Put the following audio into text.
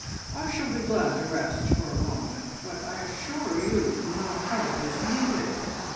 I shall be glad to rest for a moment, but I assure you no help is needed."